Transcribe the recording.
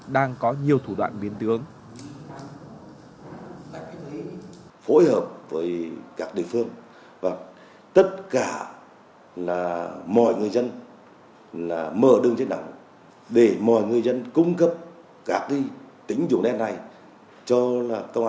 các cơ sở này đều đều đều đều đều đều đều đều đều đều đều đều đều đều đều đều đều đều đều